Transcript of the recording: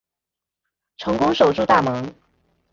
成功守住大门